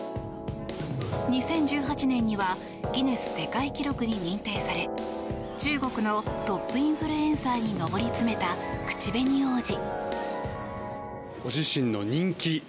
２０１８年にはギネス世界記録に認定され中国のトップインフルエンサーに上り詰めた口紅王子。